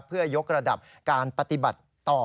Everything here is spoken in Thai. เพื่อยกระดับการปฏิบัติต่อ